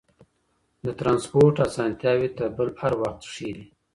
د ترانسپورت اسانتياوې تر بل هر وخت ښې دي.